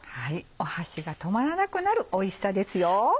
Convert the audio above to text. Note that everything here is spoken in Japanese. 箸が止まらなくなるおいしさですよ！